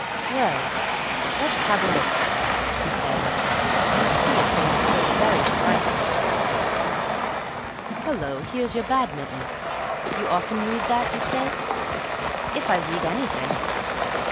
"Well, let's have a look," he said, "and see if they are so very frightful. Hallo, here's your 'Badminton.' You often read that, you say?" "If I read anything."